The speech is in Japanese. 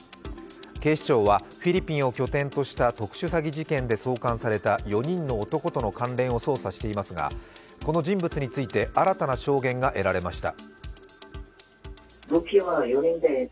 警視庁はフィリピンを拠点とした特殊詐欺事件で送還された４人の男との関連を捜査していますがこの人物について新たな証言が得られました。